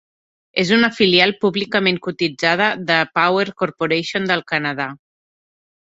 És una filial públicament cotitzada de Power Corporation del Canadà.